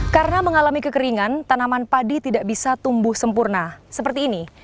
karena mengalami kekeringan tanaman padi tidak bisa tumbuh sempurna seperti ini